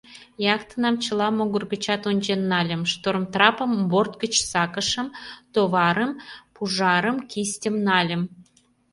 Яхтынам чыла могыр гычат ончен нальым, штормтрапым борт гыч сакышым, товарым, пужарым, кистьым нальым.